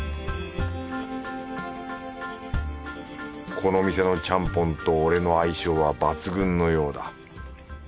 この店のちゃんぽんと俺の相性は抜群のようだ。